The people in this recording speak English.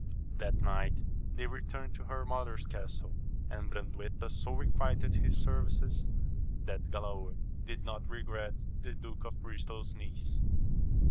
That night they returned to her mother's castle ; and Brandueta so requited his services, that Galaor did not regret the Duke of Bristol's niece.